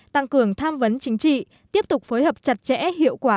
tăng cường tham vấn chính trị tiếp tục phối hợp chặt chẽ hiệu quả